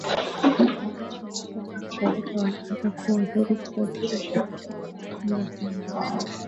Wananchi wa Afrika Mashariki wanaweza kuwa huru kusafiri kwenda Kongo